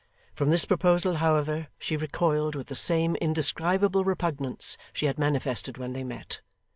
From this proposal, however, she recoiled with the same indescribable repugnance she had manifested when they met.